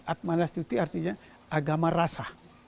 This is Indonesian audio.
atmanastuti artinya agama rasa